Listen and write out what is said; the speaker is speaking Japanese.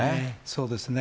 そうですね。